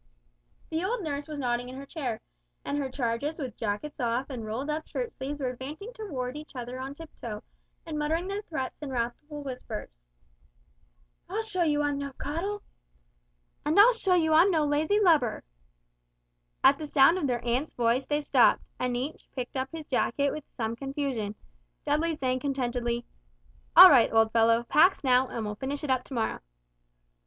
The old nurse was nodding in her chair, and her charges with jackets off and rolled up shirt sleeves were advancing toward each other on tiptoe, and muttering their threats in wrathful whispers. "I'll show you I'm no coddle!" "And I'll show you I'm no lazy lubber!" At the sound of their aunt's voice they stopped; and each picked up his jacket with some confusion, Dudley saying contentedly, "All right, old fellow, pax now, and we'll finish it up to morrow."